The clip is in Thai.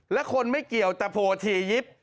และคนไม่เกี่ยวแต่โผทียิปต์